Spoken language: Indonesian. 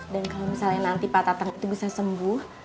dan kalau misalnya nanti pak tatang itu bisa sembuh